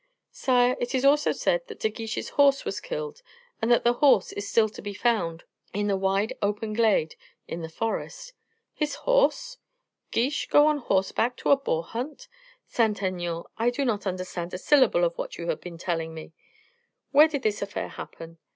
"Sire, it is also said that De Guiche's horse was killed and that the horse is still to be found in the wide open glade in the forest." "His horse? Guiche go on horseback to a boar hunt? Saint Aignan, I do not understand a syllable of what you have been telling me. Where did this affair happen?"